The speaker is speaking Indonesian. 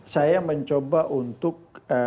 saya mencoba untuk